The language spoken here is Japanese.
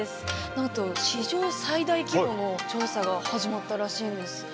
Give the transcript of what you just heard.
なんと史上最大規模の調査が始まったらしいんです。